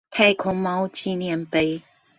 太空貓紀念碑